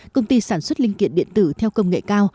công ty sản xuất linh kiện điện tử theo công nghệ cao